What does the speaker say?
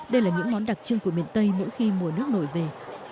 đây là những món đặc trưng của miền tây mỗi khi mùa nước nổi về